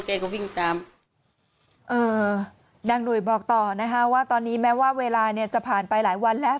เออนางหลุยบอกต่อนะฮะว่าตอนนี้แม้ว่าเวลาจะผ่านไปหลายวันแล้ว